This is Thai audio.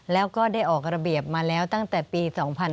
แล้วก็ได้ออกระเบียบมาแล้วตั้งแต่ปี๒๕๕๙